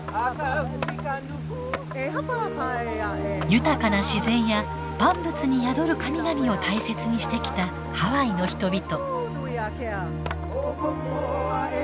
豊かな自然や万物に宿る神々を大切にしてきたハワイの人々。